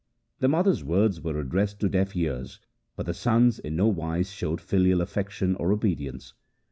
The mother's words were addressed to deaf ears for the sons in no wise showed filial affection or obedience.